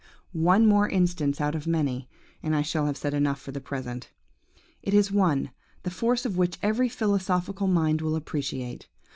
"One more instance out of many, and I shall have said enough for the present. It is one, the force of which every philosophical mind will appreciate.